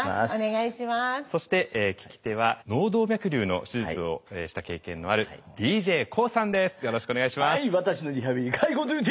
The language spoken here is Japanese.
そして聞き手は脳動脈りゅうの手術をした経験のあるＤＪＫＯＯさんです。